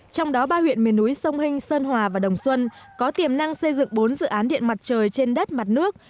trong đó ba huyện miền núi sông hình sơn hòa và đồng xuân có tiềm năng xây dựng bốn dự án điện mặt trời trên đất mặt nước